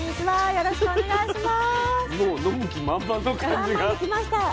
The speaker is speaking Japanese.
よろしくお願いします。